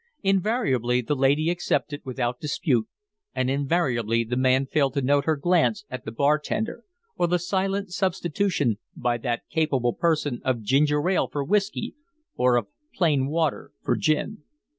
Invariably the lady accepted without dispute, and invariably the man failed to note her glance at the bartender, or the silent substitution by that capable person of ginger ale for whiskey or of plain water for gin.